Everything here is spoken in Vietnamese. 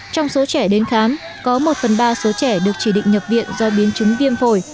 trong số trẻ đến khám có một phần ba số trẻ được chỉ định nhập viện do biến chứng viêm phổi